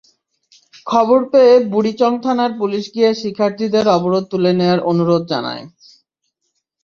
খবর পেয়ে বুড়িচং থানার পুলিশ গিয়ে শিক্ষার্থীদের অবরোধ তুলে নেওয়ার অনুরোধ জানায়।